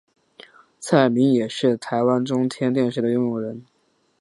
蔡衍明也是台湾中天电视的拥有人。